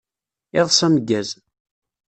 Iḍeṣ ameggaz!